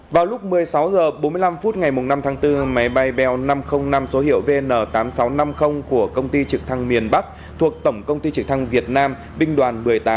vào lúc một mươi sáu h bốn mươi năm phút ngày năm tháng bốn máy bay bel năm trăm linh năm số hiệu vn tám nghìn sáu trăm năm mươi của công ty trực thăng miền bắc thuộc tổng công ty trực thăng việt nam binh đoàn một mươi tám